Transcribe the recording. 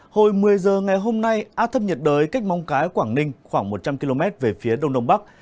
hồi một mươi giờ ngày hôm nay áp thấp nhiệt đới cách mong cái quảng ninh khoảng một trăm linh km về phía đông đông bắc